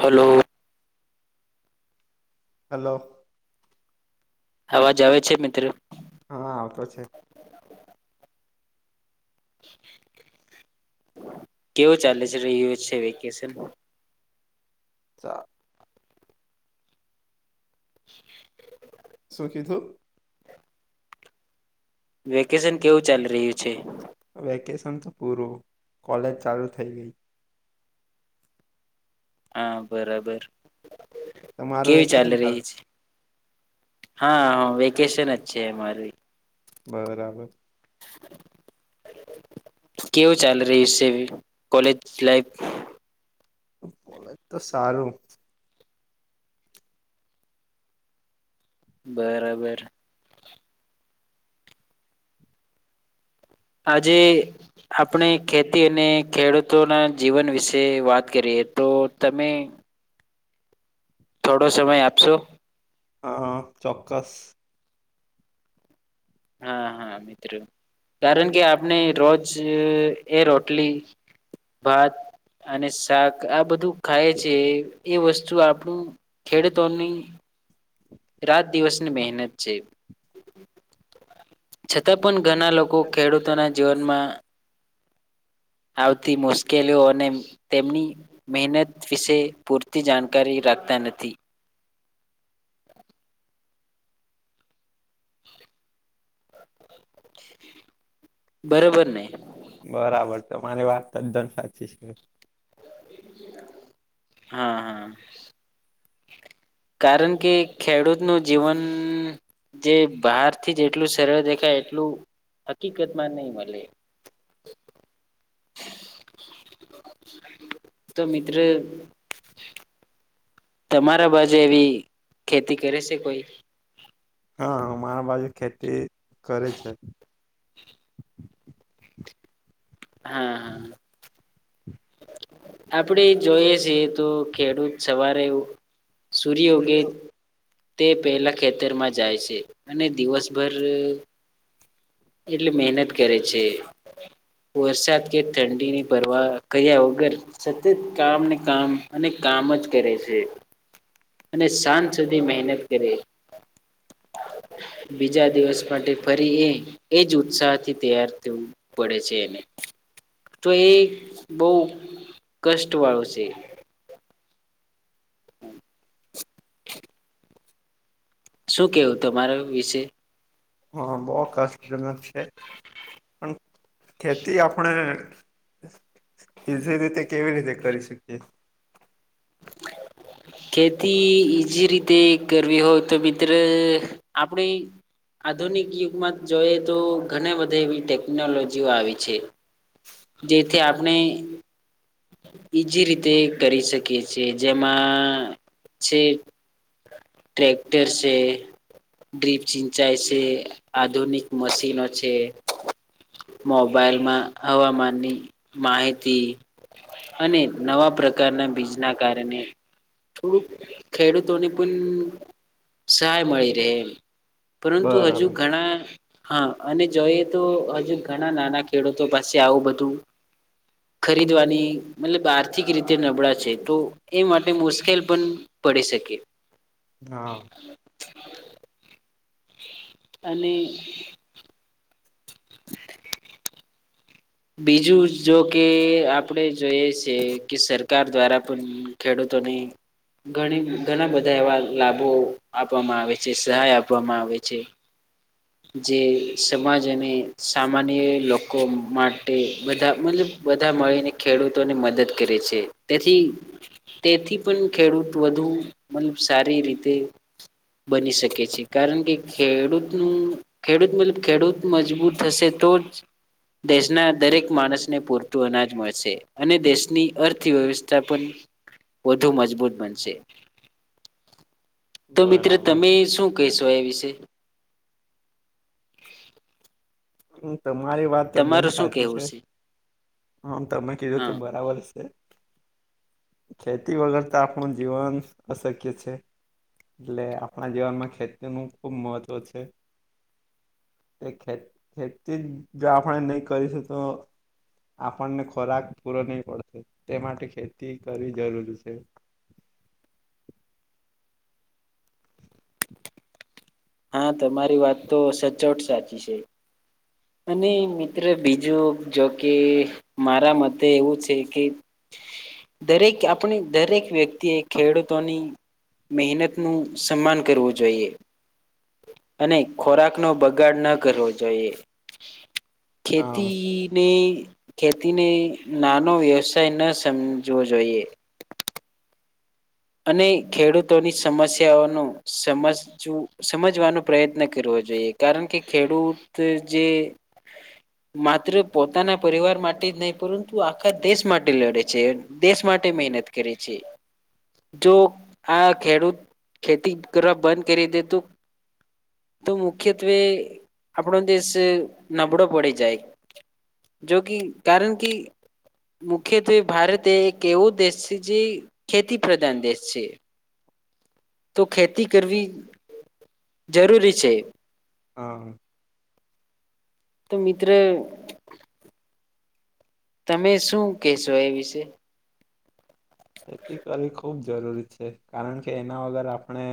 Hello hello અવાજ આવે છે, મિત્રો હા, આવતો છે, કેવું ચાલે છે, [unintelligible] છે વેકેશન [unintelligible] શું કીધું? વેકેશન કેવું ચાલી રહ્યું છે, વેકેશન તો પૂરું કોલેજ ચાલુ થઈ ગઈ. હા, બરાબર તમારું કેવી વેકેશન ચાલી ચાલુ રહી છે હા, હ વેકેશન જ છે, મમારી બરાબર કેવું ચાાલ રહી કોલેજ લાઈફ બોલો તો સારું બરાબર આજે આપણે ખેતી અને ખેડૂતોના જીવન વિશે વાત કરીએ, તો તમે થોડો સમય આપશો, હા, ચોક્કસ હા, હા મિત્રો કારણ કે આપણે રોજ એ રોટલી ભાત અને શાક આ બધું ખાય છે, એ વસ્તુ આપણું ખેડ તો નની રાત દિવસની મહેનત છે, છતાં પણ ઘણા લોકો ખેડૂતોના જીવનમાં આવતી મુશ્કેલીઓ અને તેમની મહેનત વિશે પૂરતી જાણકારી લાગતા નથી, [inaudible] બરોબર નહી, બરાબર તમારી વાત તદ્ધન સાચી છે, હા, હા કારણ કે ખેડૂતનું જીવન જે બહાર થી જેટલું સરળ દેખાય એટલું હકીકતમાં નહી મળે, [inaudible] તો મિત્ર તમારા બાજુ એવી ખેતી કરે છે, કોઈ હા, મારા બાજુ ખેતી કરે છે. હા, હા, આપડે જોઈએ છીએ તો ખેડૂત સવારે એવું, સૂર્યઉગે તે પહેલા ખેતરમાં જાય છે, અને દિવસભર એટલી મહેનત કરે છે, વરસાદ કે ઠંડીની પરવા કર્યા વગર સતત કામને કામ અને કામ જ કરે છે અને સાંજ સુધી મહેનત કરે બીજા દિવસ માટે ફરી એ એજ ઉત્સાહથી તૈયાર થવું પડે છે એને તો એ બઉ કષ્ટ વાળું છે હમ શું કેવું તમારા વિશે? હા બો કાસજનક છે પણ ખેતી આપણે ઇઝી રીતે કેવી રીતે કરી શકીએ? ખેતી ઈજી રીતે કરવી હોય તો મિત્ર આપણે આધુનિક યુગમાં જોઈએ તો ઘણી બધા એવી ટેકનોલોજીઓ આવી છે જેથી આપણે ઈજી રીતે કરી શકીએ છે જે માં છે ટ્રેક્ટર છે ડ્રીપ સિંચાઈ છે આધુનિક મશીનો છે મોબાઈલમાં હવામાનની માહિતી અને નવા પ્રકારના બીજના કારણે થોડુંક ખેડૂતોને પણ સહાય મળી રહે એમ પરંતુ હજુ બરાબર ઘણા હા અને જોઈએ તો હજુ ઘણા નાના ખેડૂતો પાસે આવું બધું ખરીદવાની મતલબ આર્થિક રીતે નબળા છે તો એ માટે મુશ્કેલ પણ પડી શકે હા [inaudible] અને [inaudible] બીજું જો કે આપડે જોઈએ છે કે સરકાર દ્વારા પણ ખેડૂત તોડી ઘણી ઘણા બધા એવા લાભો આપવામાં આવે છે સહાય આપવામાં આવે છે જે સમાજ અને સામાન્ય લોકો માટે બધા મતલબ બધા મળીને ખેડૂતોને મદદ કરે છે તેથી તેથી પણ ખેડૂત વધુ મતલબ સારી રીતે બની શકે છે કારણ કે ખેડૂ તનુ ખેડૂત મતલબ ખેડૂત મજબૂત થશે તો જ દેશના દરેક માણસને પૂરતું અનાજ મળશે અને દેશની અર્થ થ વ્યવસ્થા પણ વધુ મજબૂત બનશે તો મિત્ર બરાબર તમે શું કહેશો એ વિશે? હમ તો મારી વાત તદન તમારું શું સાચી કેવું છે હમ તમે કીધુ તે હા બરાબર છે ખેતી વગર તો આપણું જીવન અશક્ય છે એટલે આપણા જીવનમાં ખેતી નું ખૂબ મહત્ત્વ છે એ ખે ખેતી જો આપણે નહી કરીશું તો આપણને ખોરાક પૂરો નઈ પડશે તે માટે ખેતી કરવી જરૂરી છે [inaudible] હા તમારી વાત તો સચોટ સાચી છે અને મિત્ર બીજું જોકે મારા મતે એવું છે કે દરેક આપણી દરેક વ્યક્તિએ ખેડૂતોની મહેનતનું સન્માન કરવું જોઈએ અને ખોરાક નો બગાડ ન કરવો જોઈએ હા ખેતીને ખેતીને નાનો વ્યવસાય ના સમજવો જોઈએ. અને ખેડૂતોની સમસ્યાઓ નો સમજું સમજવાનો પ્રયત્ન કરવો. જોઈએ, કારણ કે ખેડૂત જે માત્ર પોતાના પરિવાર માટે જ નહી પરંતુ આખા દેશ માટે લડે છે, દેશ મા માટે મહેનત કરે છે. [inaudible] જો આ ખેડૂત ખેતી કરવા બંધ કરી દે તો તો મુખ્યત્વે આપણો દેશ નબળો પડી જાય. જો કે કારણ કે મુખ્યત્વે ભારતે એવો દેશ જે ખેતી પ્રધાન દેશ છે. તો ખેતી કરવી જરૂરી છે. હા! તો મિત્ર તમે શું કહેશો એ વિશે? ખેતી કરવી ખૂબ જરૂરી છે, કારણ કે એના વગર આપણે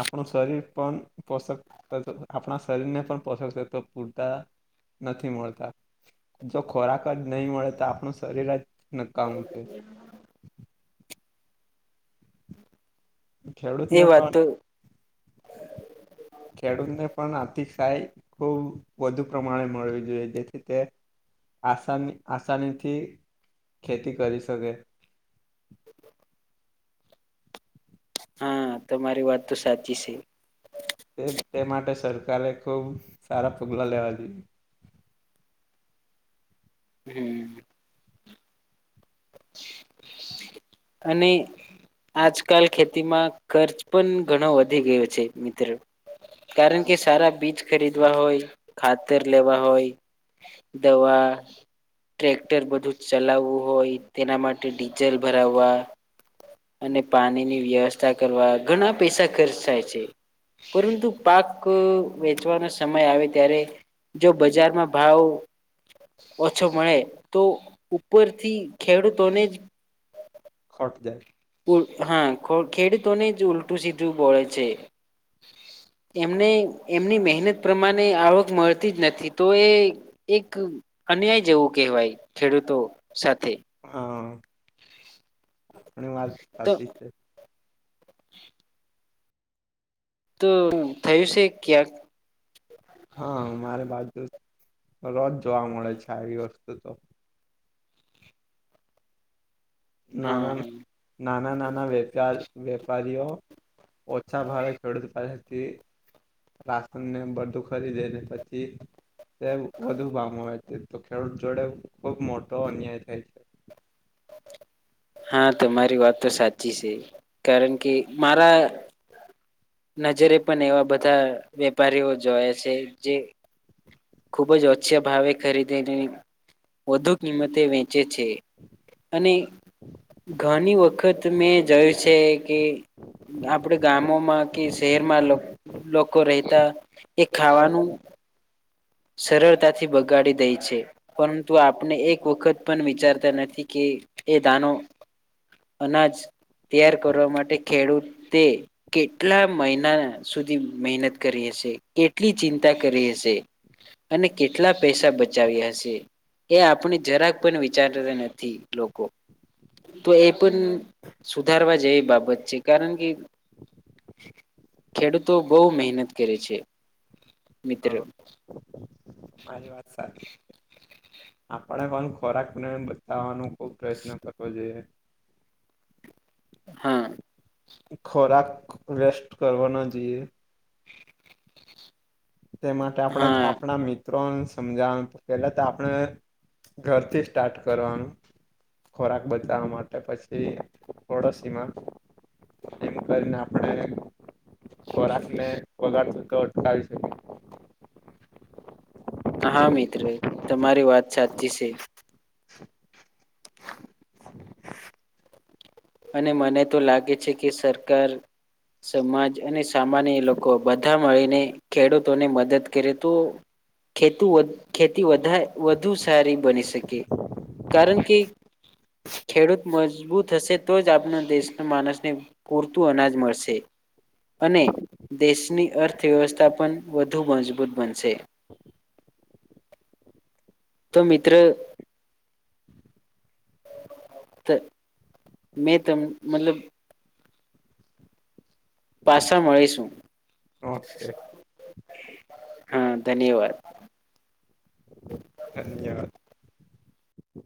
આપણું શરીર પણ પોષક તત્ત આપણા શરીરને પણ પોષકતત્ત્વ પૂરતા નથી મળતા, જો ખોરાક જ નહી મળે તો આપણું શરીર જ નકાઉ ખેડૂત એ ને વાત પણ તો ખેડૂતને પણ આર્થિક સહાય ખૂબ વધુ પ્રમાણે મળવી જોઈએ જેથી તે આસાની આસાનીથી ખેતી કરી શકે. હા તમારી વાત તો સાચી છે. તે માટે સરકારે ખુબ સારા પગલાં લેવા જોઈ. હમ્મ. [inaudible] અને આજકાલ ખેતીમાં ખર્ચ પણ ઘણો વધી ગયો છે મિત્ર. કારણ કે સારા બીજ ખરીદવા હોય, ખાતર લેવા હોય દવા, ટ્રેક્ટર, બધું ચલાવવું હોય. તેના માટે ડીઝલ ભરાવવા અને પાણીની વ્યવસ્થા કરવા ઘણા પૈસા ખર્ચ થાય છે. પરંતુ પાક વેચવાનો સમય આવે ત્યારે જો બજારમાં ભાવ ઓછો મળે તો ઉપરથી ખેડૂતોને ખોટ જાય. હા ખેડૂતોને જ ઉલટું સીધું બોળે છે. એમને એમની મહેનત પ્રમાણે આવક મળતી જ નથી, તો એ એક અન્યાય જેવું કહેવાય ખેડૂતો સાથે. હા આપની વાત તો સાચી છે. તો થયું છે ક્યાંક હા મારી બાજુ રોજ જોવા મળે છે આવી વસ્તુ તો. ના હા હા નાના નાના વેચાણ વેપારી તેઓ ઓછા ભાવે ખેડૂત પા રાશન ને બધું ખરીદે ને પછી તે વધુ ભામ આવે છે તો ખેડૂત જોડે ખુબ મોટો અન્યાય થાય છે. [inaudible] હા તમારી વાત તો સાચી છે, કારણ કે મારા નજરે પણ એવા બધા વેપારીઓ જોયા છે, જે ખુબ જ ઓછા ભાવે ખરીદેને વધુ કિંમતે વ જે છે અને ઘણી વખત મેં જોયું છે. કે આપડે ગામોમાં કે શહેરમાં લોકો રહેતા એ ખાવાનું છે. સરળતાથી બગાડી દે છે. પરંતુ આપને એક વખત પણ વિચારતા નથી કે એ દાનો અનાજ તૈયાર કરવા માટે ખેડૂતે કેટલા મહિના સુધી મહેનત કરી હશે કેટલી ચિંતા કરી હશે. અને કેટલા પૈસા બચાવ્યા હશે. એ આપણી જરાક પણ વિચારતા નથી લોકો તો એ પણ સુધારવા જેવી બાબત છે કારણ કે ખેડૂતો બવ મહેનત કરે છે મિત્ર હા મારી વાત સાચી. આપણે પણ ખોરાકને બચાવવાનો ખુબ પ્રયત્ન કરવો જોઈએ. [inaudible] હા ખોરાક વેસ્ટ કરવા ના જઈએ. તે માટે આપણા હા આપણા મિત્રો સમજાવાનું પેલા તો આપણે ઘરથી સ્ટાર્ટ કરવાનું ખોરાક બચવા માટે પછી પડોશીમાં એમ કરીને આપણે ખોરાક ને બગાડ થ તો અટકાવી શકીએ. [inaudible] હા મિત્ર તમારી વાત સાચી છે. અને મને તો લાગે છે કે સરકાર સમાજ અને સામાન્ય લોકો બધા મળીને ખેડૂતોને મદદ કરે તો ખેતુ ખેતી વધુ સારી બની શકે કારણ કે ખેડૂત મજબૂત હશે તો જ આપનો દેશના માણસને પૂરતું અનાજ મળશે. અને દેશની અર્થવ્યવસ્થા પણ વધુ મજબૂત બનશે [inaudible] તો મિત્ર તો મે તો મતલબ પાછા મળીશું. ઓકે હા ધન્યવાદ ધન્યવાદ